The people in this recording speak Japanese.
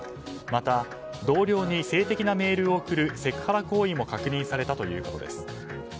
また、同僚に性的なメールを送るセクハラ行為も確認されたということです。